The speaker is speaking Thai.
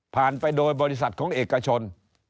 ไปโดยบริษัทของเอกชน